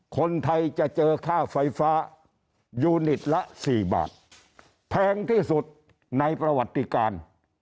คนไทยจะเจอค่าไฟฟ้ายูนิตละ๔บาทแพงที่สุดในประวัติการ